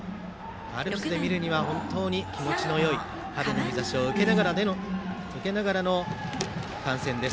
アルプスで見るには気持ちのよい春の日ざしを受けながらの観戦。